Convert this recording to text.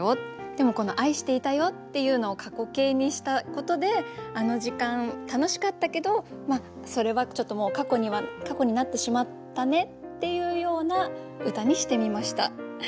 でもこの「愛していたよ」っていうのを過去形にしたことであの時間楽しかったけどそれはちょっともう過去になってしまったねっていうような歌にしてみました。